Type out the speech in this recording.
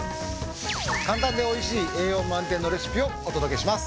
簡単で美味しい栄養満点のレシピをお届けします。